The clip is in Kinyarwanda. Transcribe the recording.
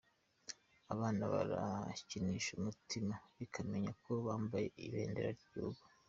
Abana barakinisha umutima bakamenya ko bambaye ibendera ry’igihugu.